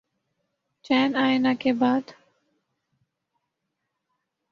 چین آئے نہ کے بعد